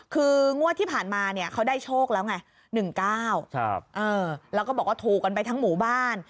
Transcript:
คืองวดที่ผ่านมาเนี่ยเขาได้โชคแล้วไง๑๙แล้วก็บอกว่าถูกกันไปทั้งหมู่บ้าน